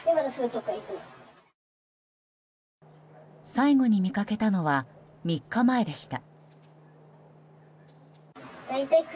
最後に見かけたのは３日前でした。